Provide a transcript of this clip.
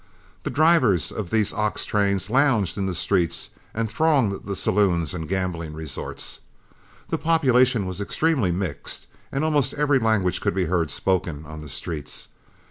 The drivers of these ox trains lounged in the streets and thronged the saloons and gambling resorts. The population was extremely mixed, and almost every language could be heard spoken on the streets.